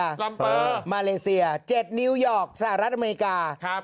ลัมเปอร์มาเลเซียเจ็ดนิวโยคสหรัฐอเมริกาครับ